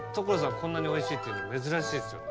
こんなにおいしいって言うの珍しいですよね。